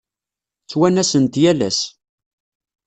Ttwanasen-t yal ass.